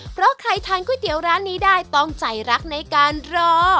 เพราะใครทานก๋วยเตี๋ยวร้านนี้ได้ต้องใจรักในการรอ